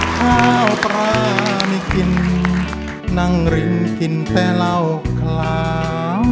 ข้าวปลานี่กินนั่งริมกินแต่เหล้าขาว